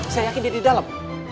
saya yakin dia di dalam